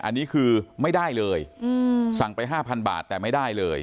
อันนี้คือไม่ได้เลยสั่งไป๕๐๐บาทแต่ไม่ได้เลย